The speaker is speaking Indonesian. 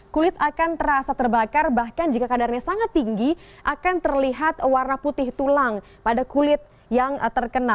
kulit akan terasa terbakar bahkan jika kadarnya sangat tinggi akan terlihat warna putih tulang pada kulit yang terkena